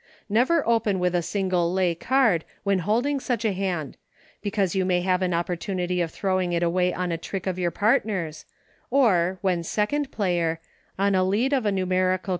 Never open with the single lay card when holding such a hand, be cause you may have an opportunity of throw ing it away on a trick of your partner's, or, when second player, on a lead of a numerical HINTS TO TYEOS.